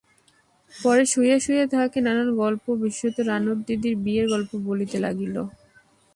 পরে শুইয়া শুইয়া তাহাকে নানান গল্প, বিশেষত রানুর দিদির বিয়ের গল্প বলিতে লাগিল।